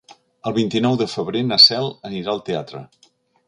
El vint-i-nou de febrer na Cel anirà al teatre.